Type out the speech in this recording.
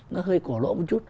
nó hơi cổ lỗ một chút